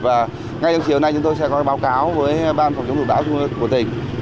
và ngay trong chiều nay chúng tôi sẽ có cái báo cáo với ban phòng chống dụng báo của tỉnh